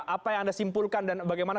apa yang anda simpulkan dan bagaimana